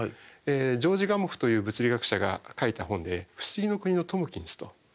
ジョージ・ガモフという物理学者が書いた本で「不思議の国のトムキンス」という話です。